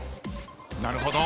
なるほど。